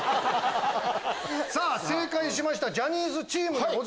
さぁ正解しましたジャニーズチーム。